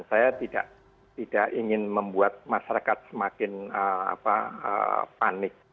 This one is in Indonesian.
saya tidak ingin membuat masyarakat semakin panik